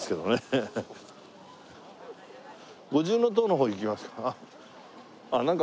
五重塔の方行きますか？